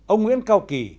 ông nguyễn cao kỳ